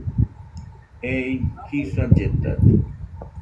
Ei jisa lletade.